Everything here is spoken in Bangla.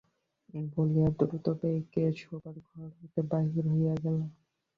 বলিয়া দ্রুতবেগে শোবার ঘর হইতে বাহির হইয়া গেল।